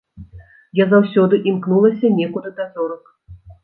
Я заўсёды імкнулася некуды да зорак.